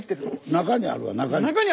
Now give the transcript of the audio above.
中にあるわ中に。